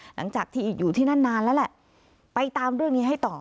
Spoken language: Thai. หลังจากที่อยู่ที่นั่นนานแล้วแหละไปตามเรื่องนี้ให้ต่อ